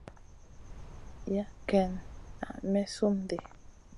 Yah ken na may slum di.